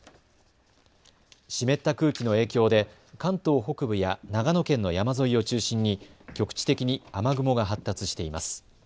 湿った空気の影響で関東北部や長野県の山沿いを中心に局地的に雨雲が発達しています。